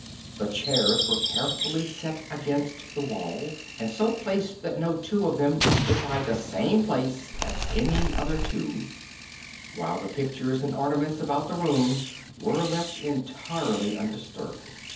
The chairs were carefully set against the wall, and so placed that no two of them occupied the same place as any other two, while the pictures and ornaments about the room were left entirely undisturbed.